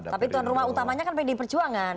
tapi tuan rumah utamanya kan pdi perjuangan